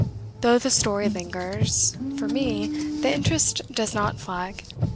Though the story lingers, (for me) the interest does not flag.